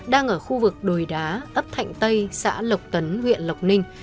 đang ở khu vực đồi đá ấp thạnh tây xã lộc tấn huyện lộc ninh